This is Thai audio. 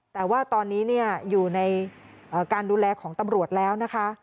แต่ว่าตอนนี้อยู่ในการดูแลของตำรวจแล้วนะคะ